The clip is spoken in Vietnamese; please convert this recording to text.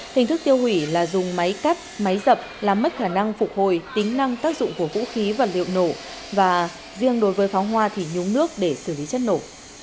hình thức tiêu hủy là dùng máy cắt máy dập làm mất khả năng phục hồi tính năng tác dụng của vũ khí vật liệu nổ và riêng đối với pháo hoa thì nhúng nước để xử lý chất nổ